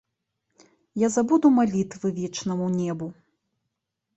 Я забуду малітвы вечнаму небу.